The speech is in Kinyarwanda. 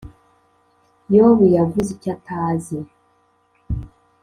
‘yobu yavuze icyo atazi,